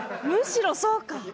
むしろそうか！